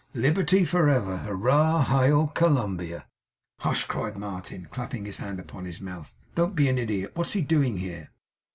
'Liberty for ever! Hurrah! Hail, Columbia!' 'Hush!' cried Martin, clapping his hand upon his mouth; 'and don't be an idiot. What is he doing here?